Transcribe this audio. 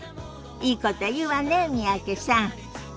いいこと言うわね三宅さん。